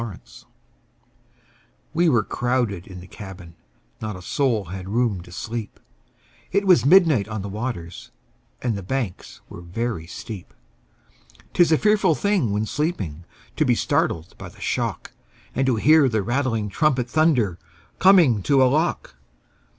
Field] WE were crowded in the cabin, Not a soul had room to sleep; It was midnight on the waters, And the banks were very steep. 'Tis a fearful thing when sleeping To be startled by the shock, And to hear the rattling trumpet Thunder, "Coming to a lock!"